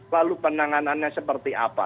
lalu penanganannya seperti apa